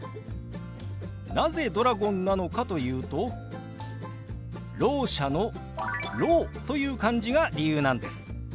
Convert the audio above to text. なぜドラゴンなのかというと聾者の「聾」という漢字が理由なんです。